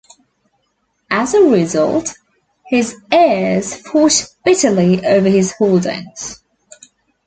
As a result, his heirs fought bitterly over his holdings.